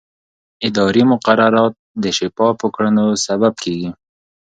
اداري مقررات د شفافو کړنو سبب کېږي.